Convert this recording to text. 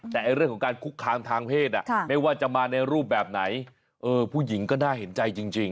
แต่เรื่องของการคุกคามทางเพศไม่ว่าจะมาในรูปแบบไหนผู้หญิงก็น่าเห็นใจจริง